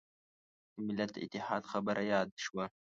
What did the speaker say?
د ملت د اتحاد خبره یاده شوه.